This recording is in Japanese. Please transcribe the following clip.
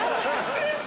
店長！